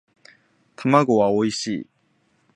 卵はおいしい